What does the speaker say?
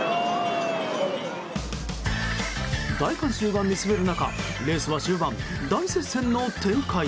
大観衆が見つめる中レースは終盤、大接戦の展開。